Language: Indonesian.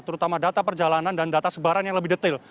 terutama data perjalanan dan data sebaran yang lebih detail